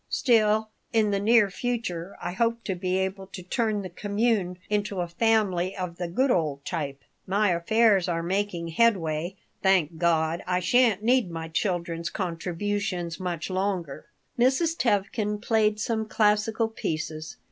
Still, in the near future I hope to be able to turn the commune into a family of the good old type. My affairs are making headway, thank God. I sha'n't need my children's contributions much longer." Mrs. Tevkin played some classical pieces.